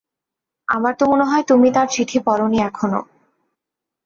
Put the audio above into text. আমার তো মনে হয় তুমি তাঁর চিঠি পড় নি এখনো।